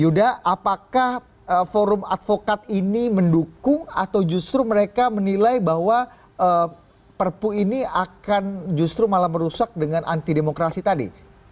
yuda apakah forum advokat ini mendukung atau justru mereka menilai bahwa perpu ini akan justru malah merusak dengan anti demokrasi tadi